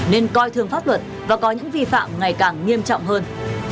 nên coi thường pháp luật và có những vi phạm ngày càng nghiêm trọng hơn